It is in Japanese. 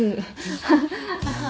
ハハハハ。